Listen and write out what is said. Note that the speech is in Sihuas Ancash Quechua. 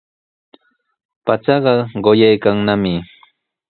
Pachaqa quyaykannami.